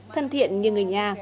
thân thiện như người nhà